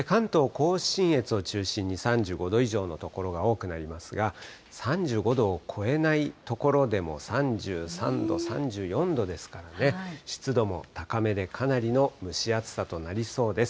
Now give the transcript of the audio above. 甲信越を中心に３５度以上の所が多くなりますが、３５度を超えない所でも、３３度、３４度ですからね、湿度も高めで、かなりの蒸し暑さとなりそうです。